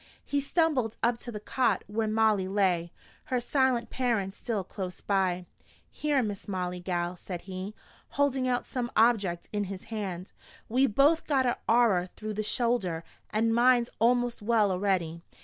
He stumbled up to the cot where Molly lay, her silent parents still close by. "Here, Miss Molly, gal," said he, holding out some object in his hand. "We both got a arrer through the shoulder, an' mine's a'most well a'ready.